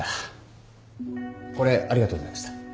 これありがとうございました。